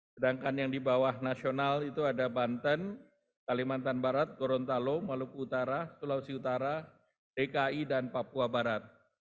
sedangkan yang di bawah nasional itu ada banten kalimantan barat gorontalo maluku utara sulawesi utara dki dan papua barat